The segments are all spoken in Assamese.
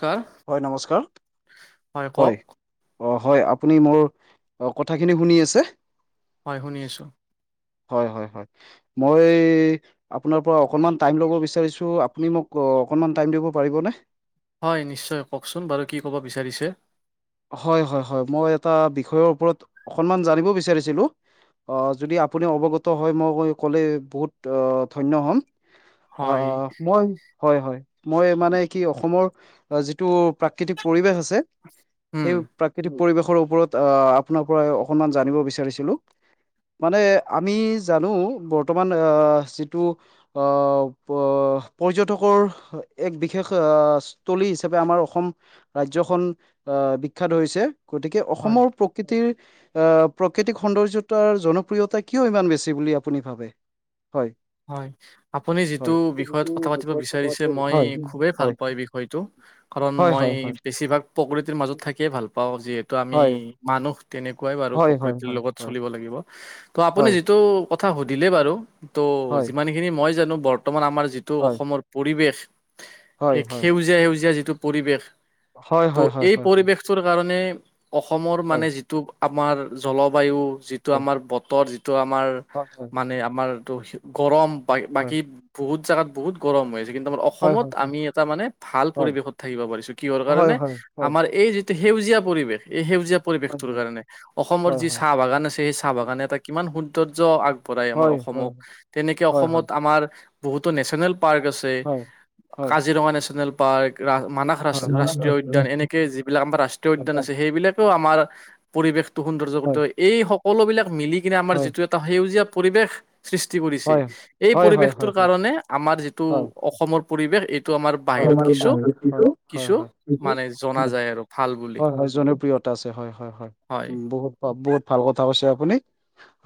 কাৰ হয় নমস্কাৰ হয়। অ' হয় আপুনি মোৰ অ কথাখিনি শুনি আছে। হয় শুনি আছো। হয়-হয় মই এই আপোনাৰ পৰা অকণমান টাইম লব বিচাৰিছোঁ আপুনি অকন ত' অকণমান টাইম দিব পাৰিবনে? হয় নিশ্চয় কওকচোন বাৰু কি ক'ব বিচাৰিছে। হয় মই এটা বিষয়ৰ ওপৰত অকমান জানিব বিচাৰিছিলো। অ যদি আপুনি অৱগত হয় মই ক'লে বহুত ধন্য হ'ম। হয় অ' মই হয় হয় মই মানে কি অসমৰ অ' যিটো প্ৰাকৃতিক পৰিৱেশ আছে উম সেই প্ৰাকৃতিক। পৰিবেশৰ ওপৰত আহ আপোনাৰ পৰা অকনমান জানিব বিচাৰিছিলো। মানে আমি জানো বৰ্তমান অ' যিটো অ-অ, পৰ্যটকৰ এক বিশেষ আহ স্থলী হিচাপে আমাৰ অসম ৰাজ্যখন। অহ বিখ্যাত হৈছে গতিকে হয় অসমৰ প্ৰকৃতিৰ অহ প্ৰাকৃতিক সৌন্দৰ্যতাৰ জনপ্ৰিয়তা কিয় ইমান বেছি বুলি আপুনি ভাবে। হয়। হয় আপুনি যিটো হয় যিটো বিষয়ত কথা পাতিব বিষয়ত কথা বিচাৰি পাতিব মই হয় খুেই বিচাৰিছো। ভাল প বিষয়টো। কাৰণ হয় মই হয় হয় বেছিভাগ প্ৰকত। প্ৰকৃতিৰ মাজত থাকিয়ে ভাল পাওঁ যিহেতু আমি হয় মানুহ তেনেকুৱাই বাৰু হয় হয় হয় প্ৰকৃতিৰ হয় লগত চলিব লাগিব। ত' আপুনি হয় যিটো কথা সুধিলে বাৰু ত' হয় যিমান খিনি মই জানো বৰ্তমান আমাৰ। যিটো হয় অসমৰ পৰিৱেশ হয় হয় এই হয় সেউজীয়া সেউজীয়া যিটো পৰিৱেশ। হয় ত' হয় হয় হয় হয় এই হয় হয় পৰিৱেশটোৰ কাৰণে। অসমৰ মানে হয় যিটো আমাৰ জলবায়ু যিটো আমাৰ বতৰ যি। তটো আমাৰ হয় মানে আমাৰ এইটো গৰম বা বাকী বহুত। জাগাত বহুত গৰম হয়। কিন্তু আমাৰ হয় হয় অসমত হয় হয় আমি এটা মানে ভাল হয় পৰিৱেশত থাকিব পাৰিছো কিহৰ হয় কাৰণে হয় হয় আমাৰ এই যি। সেউজীয়া পৰিৱেশ। এই সেউজীয়া হয় পৰিৱেশটোৰ কাৰণে অসমৰ হয় যি চাহ বাগান আছে সেই চাহ বাগানে এটা কিমান সৌন্দৰ্য আগ। হয় হয় হয় অসমক তেনেকে হয় হয় হয় অসমত আমাৰ বহুতো নেচনেল। পাৰ্ক আছে হয় হয় কাজিৰঙা নেচনেল পাৰ্ক। ৰা মানস ৰা হয় হয় ৰাষ্ট্ৰীয় উদ্যান হয় হয় হয় হয় এনেকে যিবিলাক আমাৰ ৰাষ্ট্ৰীয় উদ্যান আছে সেইবিলাকেও আমাৰ। পৰিৱেশটো সৌন্দৰ্য কৰি এই সকলোবিলাক মিলি কিনে আমাৰ যিটো এটা সেউজীয়া পৰিৱেশ। সৃষ্টি কৰিছে এই হয় পৰিৱেশটোৰ কাৰণে আমাৰ যিটো অসমৰ পৰিৱেশ এইটো। আমাৰ বাহিৰত কিছু কিছু মানে জনা যায় আৰু ভাল বুলি হয়-হয়-হয়-হয় জনপ্ৰিয়। আছে হয়-হয়-হয় হয় বহুত-বহুত ভাল কথা কৈছে আপুনি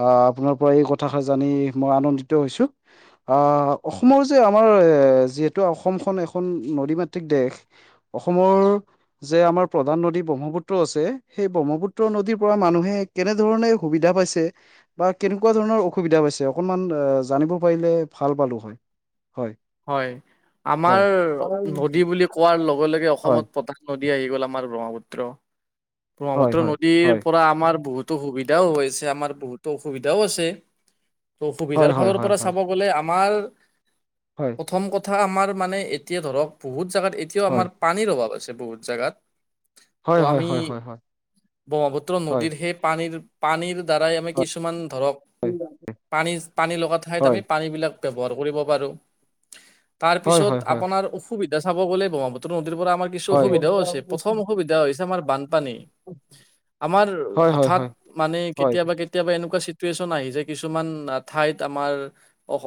আহ আপোনাৰ পৰা এই কথাষ জানি মই আনন্দিত হৈছো। অসমৰ যে আমাৰ যিহেতু অসমখন। এখন নদী মাতৃক দেশ অসমৰ যে আমাৰ প্ৰধান নদী ব্ৰহ্মপুত্ৰ আছে সেই ব্ৰহ্মপুত্ৰ নদীৰ পৰা মানুহে কেনে ধৰণে সুবিধা পাইছে বা কেনেকুৱা ধৰণৰ অসুবিধা পাইছে অকণমান জানিব পাৰিলে ভাল পালো হয় হয় হয় আমাৰ হয় নদী বুলি কোৱাৰ লগে লগে হয় অসমত পতাক নদী আহি গ'ল আমাৰ ব্ৰহ্মপুত্ৰ হয় ব্ৰহ্মপুত্ৰ হয় নদীৰ হয় হয় পৰা আমাৰ বহুতো সুবিধাও হৈছে আমাৰ বহুতো অসুবিধাও আছে অসুবিধাৰ হয় ফালৰ হয় পৰা চাব গ'লে আমাৰ হয় প্ৰথম কথা আমাৰ মানে এতিয়া ধৰক বহুত জোগাত এতিয়াও আমাৰ হয় পানীৰ অভাৱ আছে ছে বহুত জোগাত ত' হয় হয় আমি হয় হয় হয় হয় ব্ৰহ্মপুত্ৰ নদীৰ সেই পানীৰ পানীৰ দ্বাৰাই আমি কিছুমান ধৰক পানী পানী লগা ঠাইত আমি হয় পানীবিলাক ব্যৱহাৰ কৰিব পাৰো তাৰ হয় হয় পিছত হয় হয় হয় হয় হয় হয় আপোনাৰ অসুবিধা চাব গ'লে ব্ৰহ্মাপুত্ৰ পৰা আমাৰ কিছু অসুবিধাও আছে প্ৰথম অসুবিধা হৈছে আমাৰ বানপানী আমাৰ হয় হয় হঠাৎ হয় হয় মানে কেতিয়াবা কেতিয়াবা এনেকুৱা চে চন আহি যে কিছুমান ঠাইত আমাৰ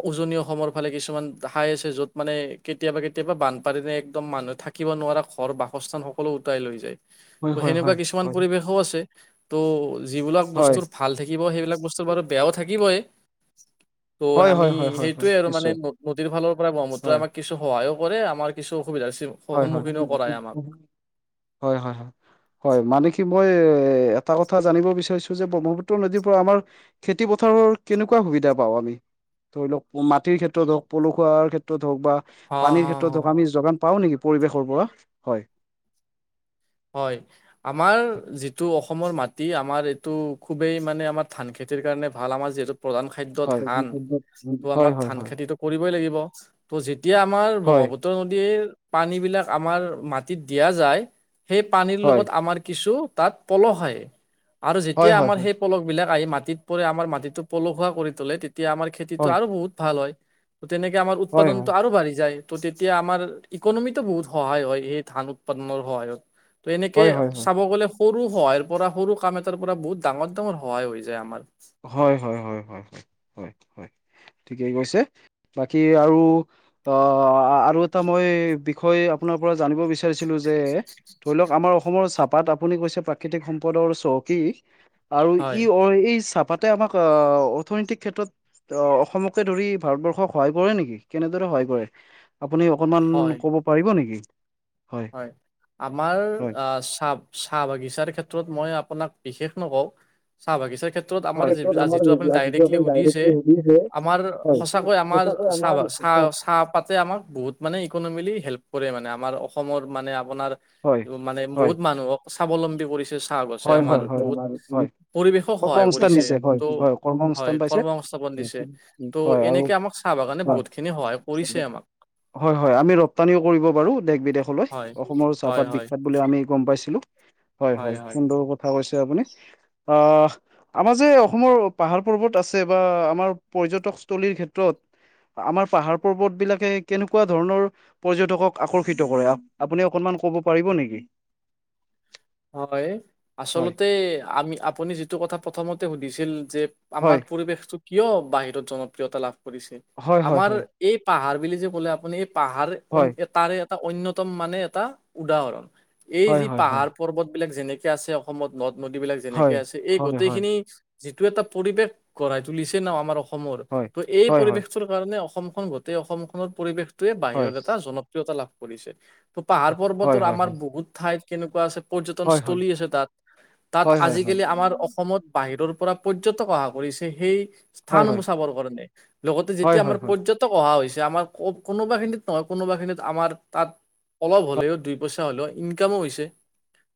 উজনি অসমৰ ফালে কিছুমান খাই আছে য'ত মানে কেতিয়াবা কেতিয়াবা বানপানী ন একদম মানুহে থাকিব নোৱাৰা ঘৰ বাসস্থান সকলো ওতাই লৈ যায় ত সেনেকুৱা কিছুমান হয় পৰিবেশও আছে ত যিবিলাক হয় বস্তুৰ ভাল থাকিব সেইবিলাক বস্তুৰ বাৰু হয় বেয়াও থাকিবই ত' হয় আমি হয় হয় হয় হয় সেইটোয়ে আৰু মানে নিশ্চয় নদীৰ ফালৰ পৰা ব্ৰহ্মুত্ৰই হয় আমাক কিছু সহায়ো কৰে আমাৰ কিছু অসুবিধাৰ সি হয় সন্মুখীনো কৰায় আমাক হয় হয় হয় মানে কি মই এ এটা কথা জানিব বিচাৰিছো যে ব্ৰহ্মপুত্ৰ নদীৰ পৰা আমাৰ খেতি পথাৰৰ কেনেকুৱা সুবিধা পাওঁ আমি ধৰি লওক মাটিৰ ক্ষেত্ৰত হওক পলসুৱাৰ ক্ষেত্ৰত হওক বা হ পানীৰ হ ক্ষেত্ৰত হ হওক আমি যোগান পাও নেকি পৰিৱেশৰ পৰা হয় হয় আমাৰ যিটো অসম অসমৰ মাটি আমাৰ এইটো খুবেই মানে আমাৰ ধান খেতিৰ কাৰণে ভাল আমাৰ যিহেতু প্ৰধান খাদ্য হয় ধান ত' হয় আমাৰ হয় ধান হয় খেতিতটো কৰিবই লাগিব ত'যেতিয়া এতিয়া আমাৰ হয় ব্ৰহ্মপুত্ৰ নদীৰ পানী বিলাক আমাৰ মাটিত দিয়া যায় সেই পানীৰ হয় লগত আমাৰ কিছু তাত পলস আহে আৰু যেতিয়া হয় আমাৰ হয় সেই পলস বিলাক আহি মাটিত পৰে আমাৰ মাটিটো পলসুৱা কৰি তোলে তেতিয়া আমাৰ খেতিটো আৰু বহুত ভাল হয় ত' তেনেকে আমাৰ হয় উৎপাদনতটো আৰু বাঢ়ি যায় ত' তেতিয়া আমাৰ ইকনমিতো বহুত সহায় হয় সেই ধান উৎপাদনৰ সহায়ত তো এনেকে হয় হয় হয় হয় চাব গ'লে সৰু সহায়ৰ পৰা সৰু কাম এটাৰ পৰা বহুত ডাঙৰ ডাঙৰ সহায় হৈ যায় আমাৰ হয় হয় হয় হয় ঠিকে কৈছে বাকী আৰু অ আৰু এটা মই বিষয় আপোনাৰ পৰা জানিব বিচাৰিছিলো যে ধৰি লওক আমাৰ অসমৰ চাপাত আপুনি কৈছে প্ৰাকৃতিক সম্পদৰ চখ আৰু ই হয় অ এই চাপ পাতে আমাক অৰ্থনৈতিক ক্ষেত্ৰত অসমকে ধৰি ভাৰতবৰ্ষ সহাই পৰে নেকি কেনেদৰে হয় আপুনি অকমান হয় ক'ব পাৰিব নেকি হয় আমাৰ হয় চাহ চাহ বাগিচাৰ ক্ষেত্ৰত মই আপোনাক বিশেষ নকওঁ চাহ বাগিচা ক্ষেত্ৰত আমাৰ ক্ষেত্ৰত আমাৰ যিটো আপুনি ডাইৰেক্টলি আপুনি সুধিছে ডাইৰেক্টলি সুধিছে আমাৰ সঁচাকৈ আমাৰ সঁচাকৈ চাহ আমাৰ চাহ চাহ পাতে আমাক বহুত মানে ইকনমিলি হেল্প কৰে মানে আমাৰ অসমৰ মানে আপোনাৰ হয় মানে হয় বহুত মানুহক স্বাৱলম্বী কৰিছে চাহ আছে হয় আমাৰ হয় হয় বহুত হয় পৰিৱেশক সহায় কৰ্মসংস্থান কৰিছে দিছে হয় ত' হয় হয় কৰ্মসংস্থান পাইছে কৰ্ম সংস্থাপন দিছে ত' হয় আৰু এনেকে আমাক খাব কাৰণে বহুতখিনি সহায় কৰিছে হয় আমাক হয় হয় আমি ৰপ্তানিও কৰিব পাৰো দেশ বিদেশ হয় অসমৰ হয় চাহপাত হয় বিখ্যাত বোলি আমি গম পাইছিলো হয় হয় সুন্দৰ কথা কৈছে আপুনি অ আমাৰ যে অসমৰ পাহাৰ পৰ্বত আছে বা আমাৰ পৰ্যটকস্থলীৰ ক্ষেত্ৰত আমাৰ পাহাৰ পৰ্বত বিলাকে কেনেকুৱা ধৰণৰ পৰ্যটকক আকৰ্ষিত কৰে আপুনি অকনমান কব পাৰিব নেকি হয় হয় আচলতে আমি আপুনি যিটো কথা প্ৰথমতে সুধিছিল যে আমাৰ হয় পৰিৱেশটো কিয় বাহিৰত জনপ্ৰিয়তা লাভ কৰিছে হয় হয় আমাৰ হয় এই পাহাৰ বুলি যে ক'লে আপুনি এই পাহাৰ হয় তাৰে এটা অনন্য়তম মানে এটা উদাহৰণ এই হয় যি হয় হয় পাহাৰ পৰ্বতবলাক যেনেকে আছে অসমত নদ নদী বিলাক যেনেকে হয় আছে এই হয় হয় গোটেইখিনি যিটো এটা পৰিৱেশ গঢ়াই তুলিছে ন আমাৰ অসমৰ ত' এই হয় হয় হয় পৰিৱেশটোৰ কাৰণে অসমখন গোটেই অসমখনৰ পৰিৱেশটোৱে হয় বাহিৰৰ এটা জনপ্ৰিয়তা লাভ কৰিছে ত' পাহাৰ হয় পৰ্বতৰ হয় আমাৰ হয় বহুত ঠাইত কেনেকুৱা আছে হয় পৰ্যটনস্থ্থলী আছে তাত তাত হয় হয় হয় আজিকালি আমাৰ অসমত বাহিৰৰ পৰা পৰ্যটক অহা কৰিছে সেই হয় হয় স্থানসমূহ চাবৰ কাৰণে লগতে হয় যেতিয়া আমাৰ হয় হয় হয় পৰ্যটক অহা হৈছে যে আমাৰ কোনোবা খিনিত নহয় কোনোবা খিনিত আমাৰ তাত অলপ হ'লেও দুই পইচা হলেও ইনকামো হৈছে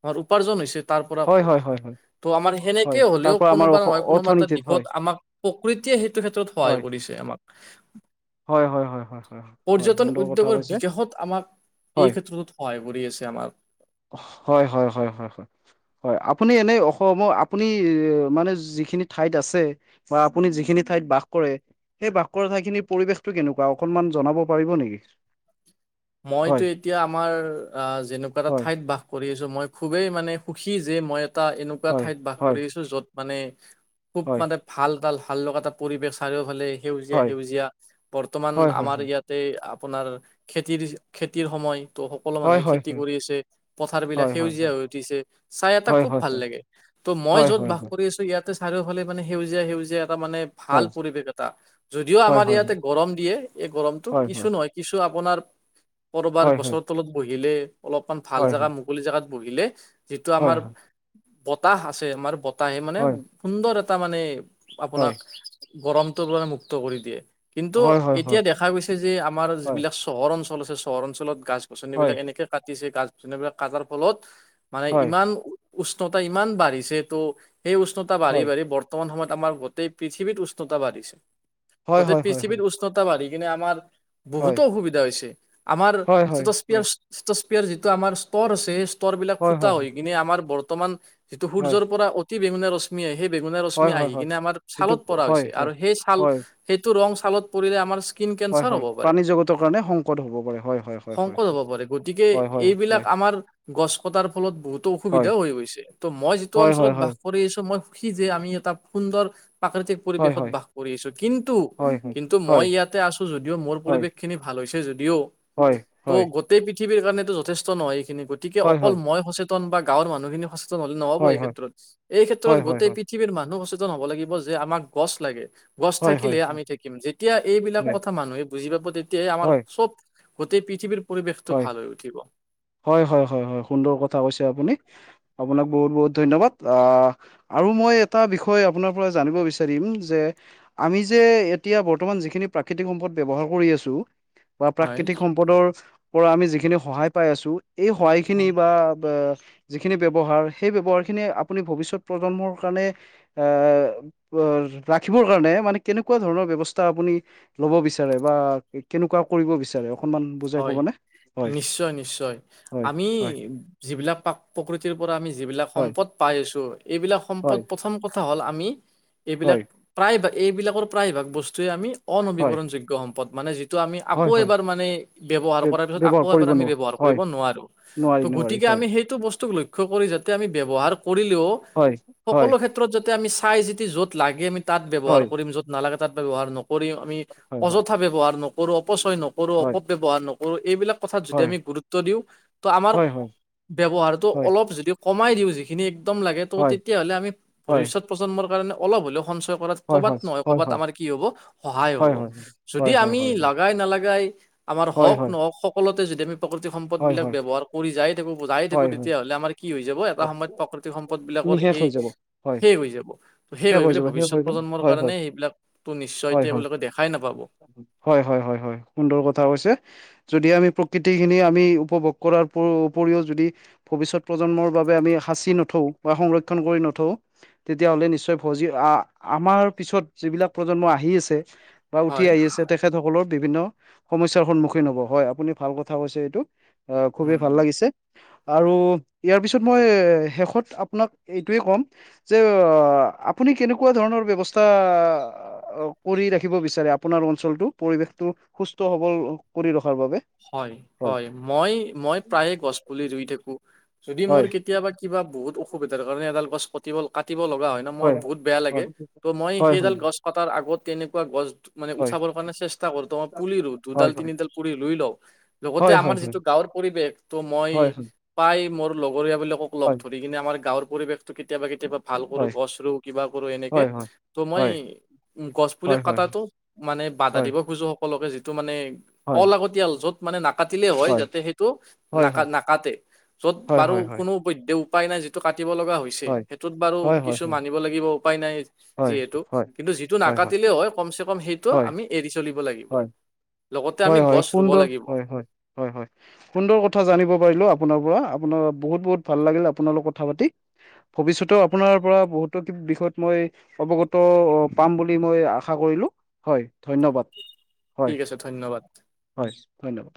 আ উপাৰ্জন হৈছে তাৰ পৰা হয় হয় হয় হয় ত' আমাৰ হয় সেনেকে তাৰ হলেও পৰা আমাৰ কোনোবা অস- নহয় কোনোবা এটা অৰ্থনীতিত হয় দিশত আমাক প্ৰকৃতিয়ে সেইটো ক্ষেত্ৰত সহায় হয় কৰি আমাক হয় হয় হয় হয় হয় হয় পৰ্যটন সুন্দৰ কথা উদ্যোগৰ কৈছে বিকাশত আমাক এই হয় ক্ষেত্ৰতো সহায় কৰি আছে আমাৰ হয় হয় হয় হয় হয় আপুনি এনেই অসমৰ আপুনি মানে যিখিনি ঠাইত আছে বা আপুনি যিখিনি ঠাইত ঠাইত বাস কৰে সেই বাস কৰা ঠাইখিনিৰ পৰিৱেশটো কেনেকুৱা অকনমান জনাব পাৰিব নেকি মইতো হয় এতিয়া আমাৰ আহ যেনেকুৱা এটা হয় ঠাইত বাস কৰি আছো মই খুবেই মানে সুখী যে মই এটা এনেকুৱা হয় ঠাইত বাস হয় কৰি আহছো য'ত মানে খুব হয় মানে ভাল ভাল লগা এটা পৰিৱেশ চাৰিওফালে সেউজীয়া হয় সেউজীয়া বৰ্তমান হয় হয় হয় আমাৰ ইয়াতে আপোনাৰ খেতি খেতিৰ খেতিৰ সময় তো সকলো হয় মানুহে হয় খেতি কৰি আছে পথাৰ বিলাক হয় হয় হয় সেউজীয়া হৈ উঠিছে চাই এটা হয় খুব হয় ভাল লাগে ত' মই হয় হয় য'ত হয় বাস হয় কৰি আছো ইয়াতে চাৰিওফালে মানে সেউজীয়া সেউজীয়া মানে ভাল হয় পৰিবেশ এটা যদিও হয় আমাৰ হয় ইয়াতে গৰম দিয়ে এই গৰমতটো হয় কিছু হয় নহয় কিছু আপোনাৰ কৰবাৰ হয় হয় গছৰ তলত বহিলে অলপমান ভাল হয় জেগা মুকলি জোগাত বহিলে যিটো হয় আমাৰ বতাহ আছে আমাৰ বতাহে মানে হয় সুন্দৰ এটা মানে হয় আপোনাক গৰমটোৰপৰা মুক্ত কৰি দিয়ে কিন্তু হয় হয় হয় হয় হয় এতিয়া হয় দেখা গৈছে যে আমাৰ যিবিলাক চহৰ অঞ্চল আছে চহৰ অঞ্চলত গাছ গছনিবিলাক হয় এনেকে কাটিছে গাছ গছনিবলাক কাটাৰ ফলত মানে ইমান উষ্ণতা ইমান বাঢ়িছে ত' সেই উষ্ণতা বাঢ়ি বাঢ়ি হয় বৰ্তমান সময়ত আমাৰ গোটেই পৃথিৱত উষ্ণতা বাঢ়িছে হয় গোটেই হয় হয় হয় হয় পৃথিৱীত উষ্ণতা বাঢ়ি কিনে আমাৰ হয় বহুতো অসুবিধা হৈছে আমাৰ হয় ষ্টপিয়াৰ ষ্টটপিয়াৰ যিটো আমাৰ স্তৰ আছে তৰ বিলাক ফুটা হৈ কিনে আমাৰ বৰ্তমান যিটো হয় সূৰ্যৰ পৰা অতি বেঙুনীয়া ৰশ্মি আহে সেই বেঙুনা হয় ৰশ্মি হয় আহি হয় কিনে আমাৰ যিটো চালত পৰা হয় হৈছে হয় আৰু সেই চাল হয় সেইটো ৰং চালত পৰিলে আমাৰ স্কিন হয় কেঞ্চাৰ হয় হ'ব পাৰে প্ৰাণী জগতৰ কাৰণে সংকট হ'ব পাৰে হয় হয় হয় হয় সংকট হয় হব পাৰে গতিকে হয় হয় এইবিলাক আমাৰ গছ কটাৰ ফলত বহুতো অসুবিধাও হৈ গৈছে ত' মই যিটো হয় হয় অঞ্চলত হয় বাস কৰি আহিছো মই সুখী যে আমি এটা সুন্দৰ প্ৰাকৃতিক হয় পৰিৱেশত হয় বাস কৰি আহিছো কিন্তু হয় কিন্তু হয় মই ইয়াতে আছো যদিও মোৰ হয় হয় পৰিৱেশ খিনি ভাল হৈছে যদি দি হয় ত' গোটেই পৃথিৱীৰ কাৰণো যথেষ্ট নহয় এইখিনি গতিকে হয় হয় অকল মই সচেত বা গাঁৱৰ মানুহখিনি সচেতন হ'লে নহব হয় এই ক্ষেত্ৰত এই ক্ষেত্ৰ হয় হয় হয় হয় গোটেই পৃথিৱীৰ মানুহ সচেতন টো হ'ব লাগিব যে আমাক গছ লাগে গছ হয় হয় হয় হয় হয় থাকিলে আমি থাকিম যেতিয়া এইবিলাক কথা মানুহে বুজি পাব তেতিয়াই আমাৰ চব গোটেই পৃথিৱীৰ পৰিৱেশটো হয় ভাল হৈ উঠিব হয় হয় হয় হয় সুন্দৰ কথা কৈছে আপুনি আপোনাক বহুত বহুত ধন্যবাদ আহ আৰু মই এটা বিষয় আপোনাৰ পৰা জানিব বিচাৰিম যে আমি যে এতিয়া বৰ্তমান যিখিনি প্ৰাকৃতিক সম্পদ ব্যৱহাৰ কৰি আছো বা হয় প্ৰাকৃতিক সম্পদৰ পৰা আমি যিখিনি সহায় পাই আছো। এই সহায়খিনি হয় বা। যিখিনি ব্যৱহাৰ সেই ব্যৱহাৰ খিনি আপুনি ভৱিষ্যত প্ৰজন্মৰ কাৰণে এ ৰাখিবৰ কাৰণে মানে কেনেকোৱা ধৰণৰ ব্যৱস্থাৰ আপুনি লব বিচাৰে বা কেনেকোৱা। ব বিচাৰে অকনমান বুজাই হয়। ক'বনে। হয় নিশ্চয় নিশ্চয় হয় আমি হয় যিবিলাক প্ৰকৃতিৰ পৰা আমি যিবিলাক হয় সম্পদ পাই। এইবিলাক সম্পদ হয় প্ৰথম কথা। ক হ'ল আমি এইবিলাক হয় প্ৰায়ভাগ এইবিলাকৰ প্ৰায়ভাগ বস্তুৱে আমি। হয় অনবীকৰণযোগ্য সম্পদ মানে যিটো আমি হয় আকৌ হয় এবাৰ মানে। [unintelligible] ব্যৱহাৰ আকৌ কৰিব আমি নোৱাৰো ব্যৱহাৰ কৰিব হয় নোৱাৰো নোৱাৰি নোৱাৰি গতিকে হয় আমি সেইটো বস্তুক লক্ষ্য যাতে আমি ব্য। ৱহাৰ কৰিও হয় সকলো হয় ক্ষেত্ৰত যাতে আমি চাই য'ত লাগে আ তাত ব্যৱহাৰ হয় কৰিম য'ত নালাগে তাত ব্যৱহাৰ নকৰিম আমি হয় হয় অযথাব্যৱহাৰ নকৰো অপচয় ন। [unintelligible] ব্যৱহাৰ নকৰোঁ এইবিলাক কথাত যদি হয় আমি গুৰুত্ব দিওঁ ত আমাৰ হয় হয় ব্যৱহাৰ হয় অলপ য কমাই দিওঁ যিখিনি একদম লাগে ত' হয় তেতিয়াহ'লে আমি হয় ভৱিষ্যত প্ৰজন্মৰ কাৰণে অলপ হ'লেও। সঞ্চয় কৰাত হয় হয় কৰ'বাত হয় নহয় হয় কৰ'ৰবাত আমাৰ কি হ'ব সহায় হ'ব হয় হয় যদি হয় আমি হয় হয় হয় লগাই নালাগাই। আমাৰ হয় হয় হওক হয় নহওক সকলোতে যদি আমি প্ৰাকৃতিক সম্পদ হয় বিলাক হয় ব্যৱহাৰ কৰি যায় তাক। বজাই থাকো হয় হয় তেতিয়াহ'লে আমাৰ কি। কি হৈ যাব এটা সময়ত প্ৰাকৃতিক সম্পদ বিলাকৰ নিশেষ সেই হৈ যাব হয় শেষ হৈ যাব ত সেই শেষ হৈ গলে যাব শেষ ভৱিষ্যত হৈ গ'ল প্ৰ। দেখাই নাপাব। সুন্দৰ কথা হৈছে। যদি আমি প্ৰকৃতি খিনি আমি উপভোগ কৰাৰ উপৰিও যদি ভৱিষ্যত প্ৰজন্মৰ বাবে। মি সাঁচি নথও বা সংৰক্ষণ কৰি নথও তেতিয়'লে নিশ্চয় [unintelligible] আমাৰ পিছত যিবিলাক প্ৰজন্ম আহি আছে বা উঠি হয়। আহি আছে তেখেতসকলৰ বিভিন্ন সমস্যা সন্মুখীন হ'ব হয় আপুনি ভাল কথা কৈছে এইটো অ খুবেই উম। ভাল লাগিছে আৰু ইয়াৰ পিছত শেষত আপোনাক এইটোয়ে কম যে আপ কেনেকুৱা ধৰণৰা কৰি ৰাখিব বিচাৰে আপোনাৰ অঞ্চলটো পৰিৱেশটো সুস্থ সবল কৰি ৰখ হয় হয় মই মই প্ৰায়ে গছ পুলি ৰুই থাকো যদি মোৰ হয় কেতিয়াবা কিবা বহুত অসুবিধাৰ কাৰণে এডাল গছ [unintelligible] কাটি লগা হয় ন মই বহুত বেয়া হয় লাগে মই হয় হয় সেইডাল গছ আগত তেনেকুৱা গছ মানে উঠাবৰ কাৰণে চেষ্টা কৰো তোমই পুলি ৰু দুডাল হয় হয় তিনিডাল পুলি লই ল লগতে হয় হয় আমাৰ যিটো গাঁৱৰ পৰিৱেশ ত মই হয় হয় পাই মোৰ পৰিয়াবিলাকক লগ ধৰি কিনে আমাৰ গাঁৱৰ পৰিৱেশটো কেতিয়াবা কেতিয়াবা ভাল কৰো হয় হয় গছ ৰু কিবা কৰো এনেকে হয় ত' মই উ গছ পুলি হয় হয় হয় হয় কটাাতো মানে বাধা দিব খুজো সকলে যিটো মানে হয় হয় অলাগতিয়াল যত মানে কাটিলে লে হয় যাতে সেইটো ন হয় হয় হয় নাক যত বাৰু হয় হয় হয় কো ব উপায় নাই যিটো কাটিব লগা হৈছে সেইটোত বাৰু হয় হয় হয় হয় হয় কিছু হয় হয় মানিব লাগিব উপায় নাই যিহেতু কিন্তু যিটো নাকাটিলে হয় কমচ কম সেই হয় আমি এৰি চলিব লাগিব লগতে আমি গঃ কোনটো হয় হয় হয় হয় সুন্দৰ কথা জানিব পাৰিলো আপোনাৰ বহুত বহুত ভাল লাগিল আপোনাল লগ কথা পাতি ভৱিষ্যতেও আপোনাৰ পৰা বহুতো বিষয়ত মই অৱগত পাম বুলি মই আশা কৰি হয় ধন্যবাদ হয় ঠিক আছে ধন্য হয় ধন্যবাদ